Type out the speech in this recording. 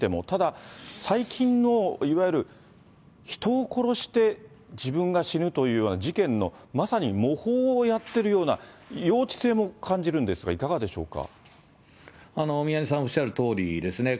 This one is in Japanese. ただ、最近の、いわゆる人を殺して自分が死ぬというような事件の、まさにも模倣をやっているような、幼稚性も感じるんですが、いかが宮根さんおっしゃるとおりです。